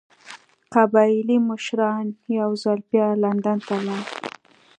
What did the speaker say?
قبایلي مشران یو ځل بیا لندن ته لاړل.